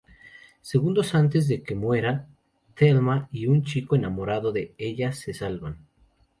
Segundos antes de que muera, Thelma y un chico enamorado de Ella la salvan.